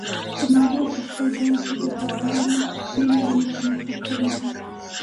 زما ورور په خپل بڼ کې د بادامو ډېرې ونې په نښه کړې دي.